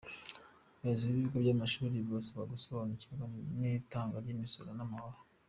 Abayobozi b’ibigo by’amashuri barasabwa gusobanukirwa n’itangwa ry’imisoro n’amahoro